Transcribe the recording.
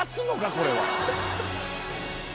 これは。